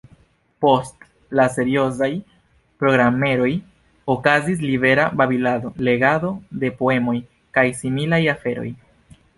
Post la seriozaj programeroj okazis libera babilado, legado de poemoj, kaj similaj aferoj.